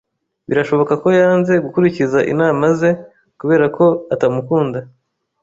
Birashoboka ko yanze gukurikiza inama ze, kubera ko atamukunda.